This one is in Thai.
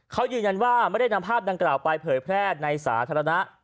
เขายืนยันว่าไม่ได้นำภาพดังกล่าวไปเผยแพร่ในสาธารณะ